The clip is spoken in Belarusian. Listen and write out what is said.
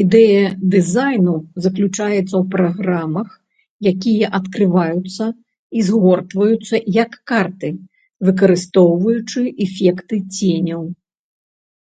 Ідэя дызайну заключаецца ў праграмах, якія адкрываюцца і згортваюцца як карты, выкарыстоўваючы эфекты ценяў.